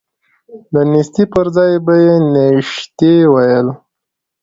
د نسته پر ځاى به يې نيشتې ويل.